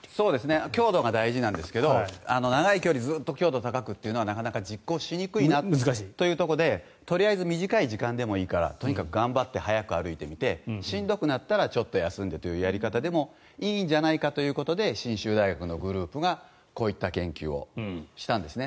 強度が大事なんですが長い距離をずっと強度高くというのはなかなか実行しにくいなというところでとにかく短い時間でもいいからとにかく頑張って速く歩いてしんどくなったらちょっと休んでというやり方でもいいんじゃないかということで信州大学のグループがこういった研究をしたんですね。